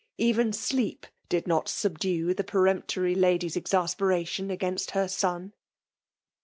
Even deep did not subdue the peremptory lady^s exasperation against her son.